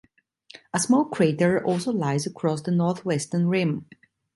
A small crater also lies across the northwestern rim.